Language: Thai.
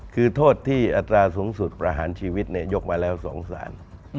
คือโทษที่อัตราสูงสุดประหารชีวิตยกมาแล้ว๒สาร